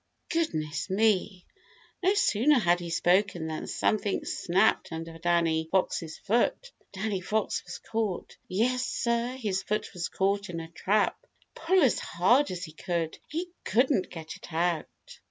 Goodness me! No sooner had he spoken than something snapped under Danny Fox's foot. Danny Fox was caught. Yes, sir, his foot was caught in a trap. Pull as hard as he could, he couldn't get it out.